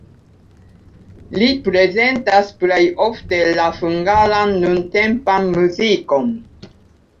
Li prezentas plej ofte la hungaran nuntempan muzikon.